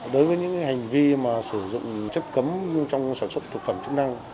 đối với những hành vi mà sử dụng chất cấm trong sản xuất thực phẩm chức năng